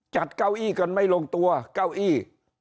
เก้าอี้กันไม่ลงตัวเก้าอี้